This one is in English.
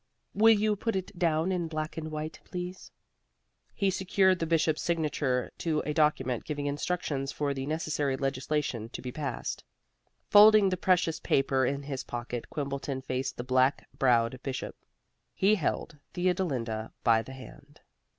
"Will you put it down in black and white, please?" He secured the Bishop's signature to a document giving instructions for the necessary legislation to be passed. Folding the precious paper in his pocket, Quimbleton faced the black browed Bishop. He held Theodolinda by the hand.